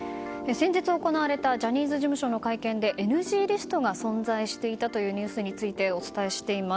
先日行われたジャニーズ事務所の会見でＮＧリストが存在していたというニュースについてお伝えしています。